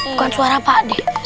bukan suara pak d